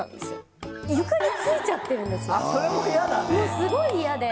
すごい嫌で。